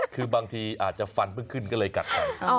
คือบางทีอาจจะฟันเพิ่งขึ้นก็เลยกัดไป